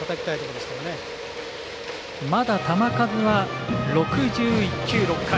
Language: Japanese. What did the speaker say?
まだ球数は６１球、６回。